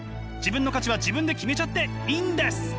自分の価値は自分で決めちゃっていいんです！